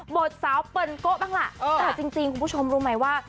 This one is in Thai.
สาวเปิลโกะบ้างล่ะแต่จริงคุณผู้ชมรู้ไหมว่า